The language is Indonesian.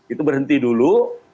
itu berhenti dulu